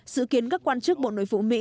dự kiến các quan chức bộ nội vụ mỹ